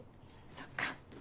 そっか。